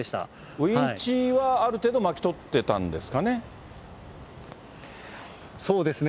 ウインチはある程度、巻き取ってたんですかね。